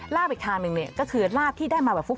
ลาบอีกทางหนึ่งก็คือลาบที่ได้มาแบบฟุก